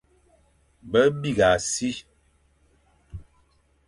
Be bîgha si,